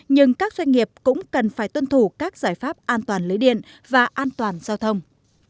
nhưng các doanh nghiệp cũng cần phải tuân thủ các giải pháp an toàn lưới điện và an toàn giao thông